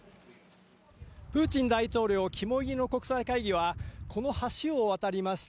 プーチン大統領肝いりの国際会議はこの橋を渡りました。